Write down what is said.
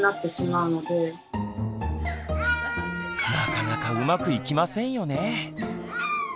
なかなかうまくいきませんよね。